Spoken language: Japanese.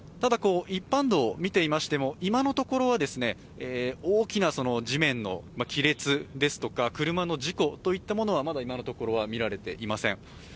ただ一般道を見ていましても、今のところはですね、大きな地面の亀裂ですとか車の事故といったものはまだ今のところは見られていません。